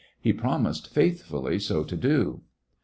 He promised faithfully so to do.